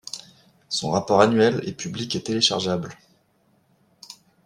Son rapport annuel est public et téléchargeable.